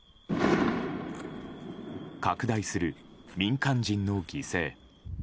拡大する民間人の犠牲。